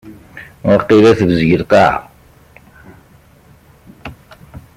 Waqila tebzeg lqaɛa.